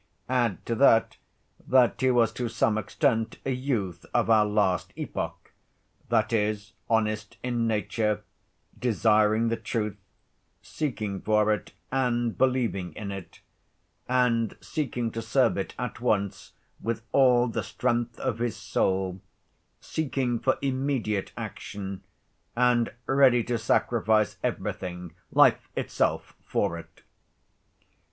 Add to that that he was to some extent a youth of our last epoch—that is, honest in nature, desiring the truth, seeking for it and believing in it, and seeking to serve it at once with all the strength of his soul, seeking for immediate action, and ready to sacrifice everything, life itself, for it.